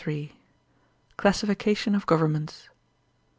Classification of Governments.